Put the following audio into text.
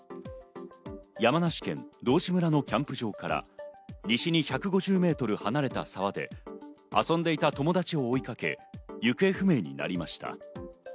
山梨県道志村のキャンプ場から西に１５０メートル離れた沢で遊んでいた友達を追いかけ、行方不明になりました。